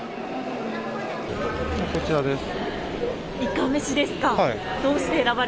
こちらです。